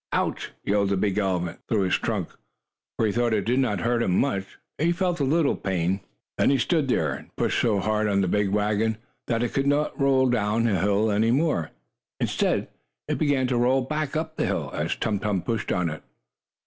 "Ouch!" yelled the big elephant through his trunk, for though it did not hurt him much, he felt a little pain. Then he stood there, and pushed so hard on the big wagon, that it could not roll down hill any more. Instead, it began to roll back up the hill, as Tum Tum pushed on it.